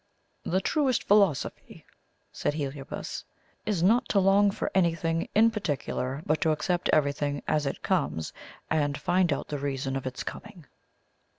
"The truest philosophy," said Heliobas, "is not to long for anything in particular, but to accept everything as it comes, and find out the reason of its coming."